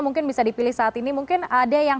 mungkin bisa dipilih saat ini mungkin ada yang